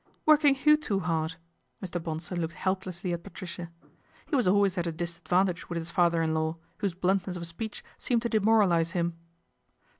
Working who too hard ?" Mr. Bonsor looked plessly at Patricia. He was always at a dis vantage with his father in law, whose blunt ess of speech seemed to demoralise him.